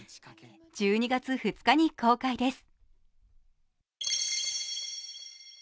１２月２日に公開です。